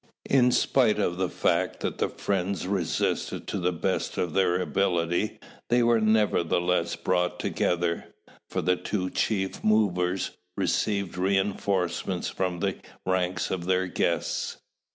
In spite of the fact that the friends resisted to the best of their ability, they were nevertheless brought together, for the two chief movers received reinforcements from the ranks of their guests.